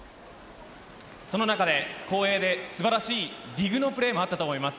その中で後衛で素晴らしいディグのプレーもあったと思います。